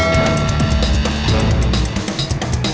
lo sudah bisa berhenti